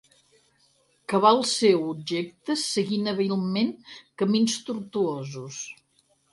Que va al seu objecte seguint hàbilment camins tortuosos.